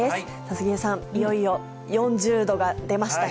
杉江さん、いよいよ４０度が出ましたね。